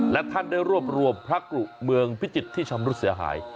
และท่านได้รวบรวมพระกรุเมืองพิจิตรที่ชำรุดเสียหาย